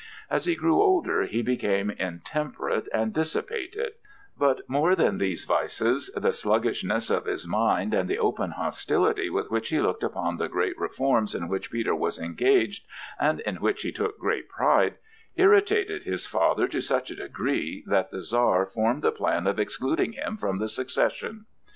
As he grew older, he became intemperate and dissipated; but, more than these vices, the sluggishness of his mind and the open hostility with which he looked upon the great reforms in which Peter was engaged and in which he took great pride, irritated his father to such a degree that the Czar formed the plan of excluding him from the succession.